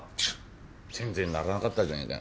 全然ならなかったじゃねえかよ。